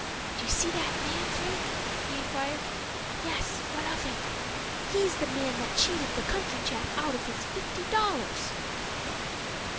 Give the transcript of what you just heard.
"Do you see that man, Frank?" he inquired. "Yes, what of him?" "He's the man that cheated the country chap out of his fifty dollars."